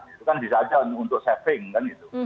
itu kan bisa saja untuk saving kan gitu